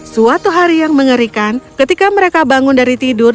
suatu hari yang mengerikan ketika mereka bangun dari tidur